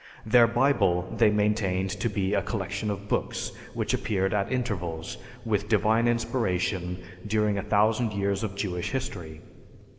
Their Bible they maintained to be a collection of books which appeared at intervals, with divine inspiration, during a thousand years of Jewish history.